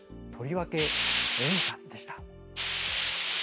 とりわけ、演歌でした。